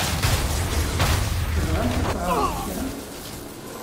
Tebɣamt ad teɣṛemt kra?